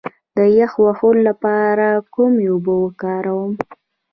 د یخ وهلو لپاره کومې اوبه وکاروم؟